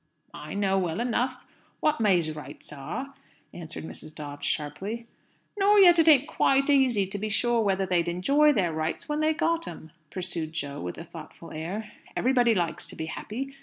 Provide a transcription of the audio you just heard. "I know well enough what May's rights are," answered Mrs. Dobbs sharply. "Nor yet it ain't quite easy to be sure whether they'd enjoy their rights when they got 'em," pursued Jo, with a thoughtful air. "Everybody likes to be happy.